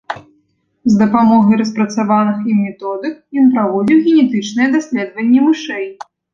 З дапамогай распрацаваных ім методык ён праводзіў генетычныя даследаванні мышэй.